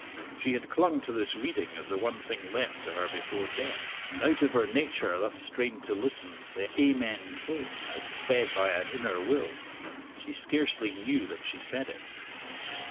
She had clung to this reading as the one thing left to her before death, and out of her nature thus strained to listen the "Amen" came, as sped by an inner will. She scarcely knew that she said it.